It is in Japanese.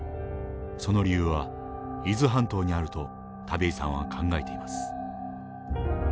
その理由は伊豆半島にあると田部井さんは考えています。